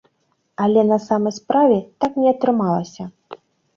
Але на самай справе так не атрымалася.